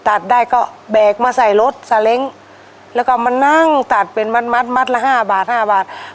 ตัดได้ก็แบกมาใส่รถสาเล้งแล้วก็มานั่งตัดเป็นมัดมัดละห้าบาทห้าบาท